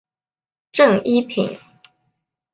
正一品。